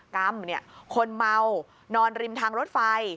กรรมคนเมานอนริมทางรถไฟ